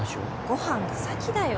ご飯が先だよ